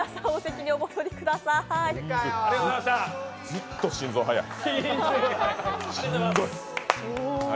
ずっと心臓早い。